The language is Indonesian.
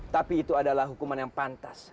tapi itu adalah hukuman yang pantas